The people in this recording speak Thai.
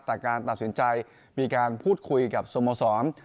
แต่การตัดสินใจมีการพูดคุยกับสโมสร